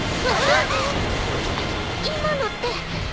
い今のって。